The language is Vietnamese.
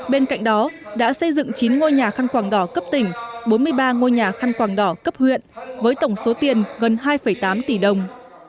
bên cạnh đó đã xây dựng chín ngôi nhà khăn quảng đỏ cấp tỉnh bốn mươi ba ngôi nhà khăn quảng đỏ cấp huyện với tổng số tiền gần hai tám tỷ đồng